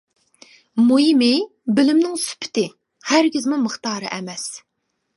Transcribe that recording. مۇھىمى، بىلىمنىڭ سۈپىتى، ھەرگىزمۇ مىقدارى ئەمەس.